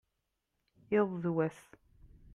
iḍ d wass